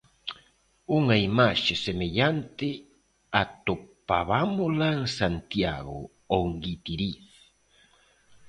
Unha imaxe semellante atopabámola en Santiago ou en Guitiriz.